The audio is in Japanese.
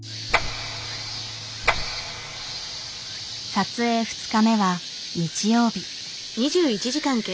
撮影２日目は日曜日。